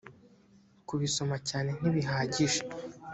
kubisoma cyane ntibihagije